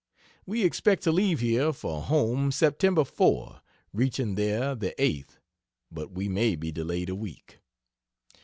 We expect to leave here for home Sept. 4, reaching there the 8th but we may be delayed a week.